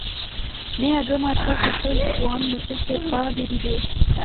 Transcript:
Mais elle remarqua que seul Swann ne s’était pas déridé.